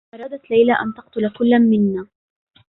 أرادت ليلى أن تقتل كلا منّا.